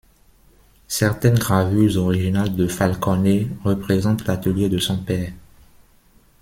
Certaines gravures originales de Falconet représente l'atelier de son père.